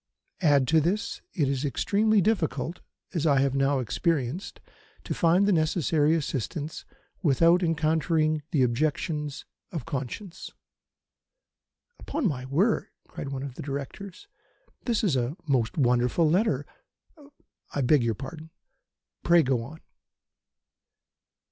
Add to this, it is extremely difficult, as I have now experienced, to find the necessary assistance without encountering the objections of conscience." "Upon my word!" cried one of the Directors, "this is a most wonderful letter. I beg your pardon. Pray go on."